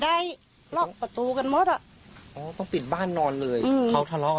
ได้ล็อกประตูกันหมดอ่ะอ๋อต้องปิดบ้านนอนเลยอืมเขาทะเลาะ